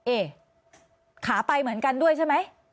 ขาไปเหมือนกันด้วยใช่ไหม